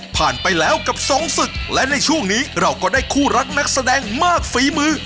ไปแล้วกับสองศึกและในช่วงนี้เราก็ได้คู่รักนักแสดงมากฝีมือ